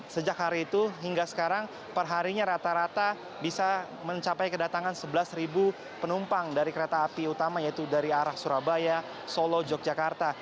sejak hari itu hingga sekarang perharinya rata rata bisa mencapai kedatangan sebelas penumpang dari kereta api utama yaitu dari arah surabaya solo yogyakarta